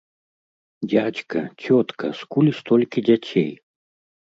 Дзядзька, цётка, скуль столькі дзяцей?